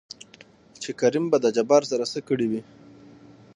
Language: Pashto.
چې کريم به د جبار سره څه کړې وي؟